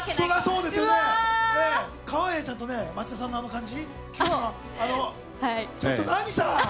川栄ちゃんと町田さんのあの感じ。